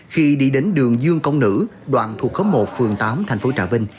khi đi đến đường dương công nữ đoạn thuộc khóm một phường tám thành phố trà vinh